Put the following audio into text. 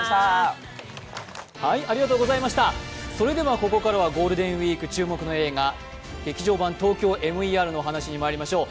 ここからはゴールデンウイーク注目の映画、「劇場版ＴＯＫＹＯＭＥＲ」のお話にまいりましょう。